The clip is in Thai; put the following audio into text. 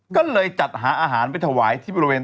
ก็เลยจัดหาอาหารไปถวายที่บริเวณ